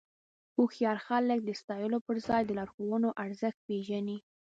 هوښیار خلک د ستایلو پر ځای د لارښوونو ارزښت پېژني.